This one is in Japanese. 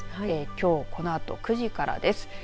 きょうこのあと９時からです。